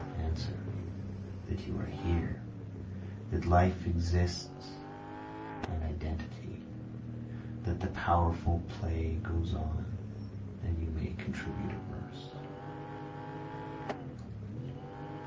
Answer. That you are here that life exists and identity, That the powerful play goes on, and you may contribute a verse.